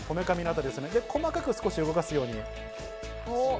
細かく動かすように。